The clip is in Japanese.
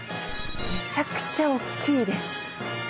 めちゃくちゃ大っきいです。